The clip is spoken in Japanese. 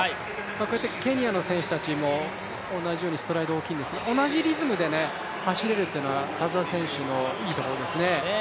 こうやってケニアの選手たちも同じようにストライド大きいんですが同じリズムで走れるというのは、田澤選手のいいところですね。